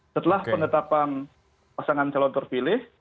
setelah penetapan pasangan calon terpilih